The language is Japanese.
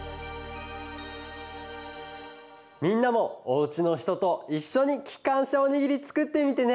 みんなもおうちのひとといっしょにきかんしゃおにぎりつくってみてね！